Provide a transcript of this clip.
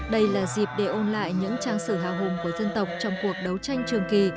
đây là dịp để ôn lại những trang sử hào hùng của dân tộc trong cuộc đấu tranh trường kỳ